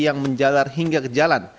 yang menjalar hingga ke jalan